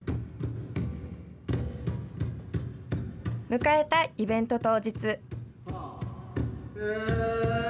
迎えたイベント当日。